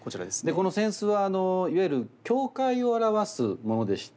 この扇子はいわゆる境界を表すものでして。